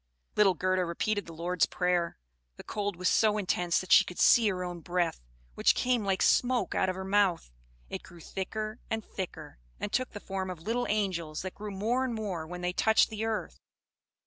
Little Gerda repeated the Lord's Prayer. The cold was so intense that she could see her own breath, which came like smoke out of her mouth. It grew thicker and thicker, and took the form of little angels, that grew more and more when they touched the earth.